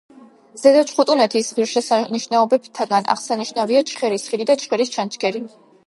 ზედა ჩხუტუნეთის ღირსშესანიშნაობებიდან აღსანიშნავია: ჩხერის ხიდი და ჩხერის ჩანჩქერი.